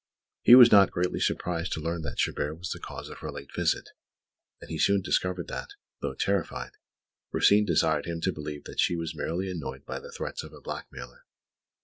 He was not greatly surprised to learn that Chabert was the cause of her late visit; and he soon discovered that, though terrified, Rosine desired him to believe that she was merely annoyed by the threats of a blackmailer.